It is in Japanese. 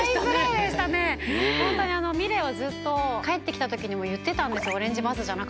美玲はずっと帰って来た時にも言ってたんですよ。